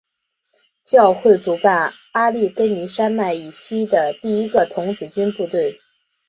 教会主办阿利根尼山脉以西的第一个童子军部队。